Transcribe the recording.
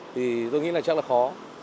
thì tôi nghĩ là chắc là khó